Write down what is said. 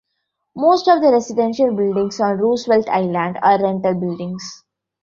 Most of the residential buildings on Roosevelt Island are rental buildings.